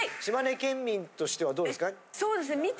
島根県民としてはどうですか？